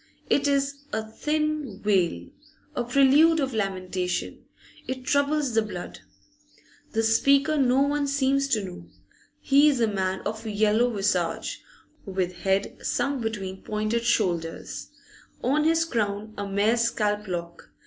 It is a thin wail, a prelude of lamentation; it troubles the blood. The speaker no one seems to know; he is a man of yellow visage, with head sunk between pointed shoulders, on his crown a mere scalp lock.